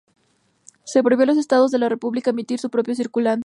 Se prohibió a los Estados de la república emitir su propio circulante.